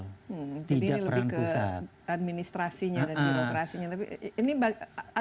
jadi ini lebih ke administrasinya dan birokrasinya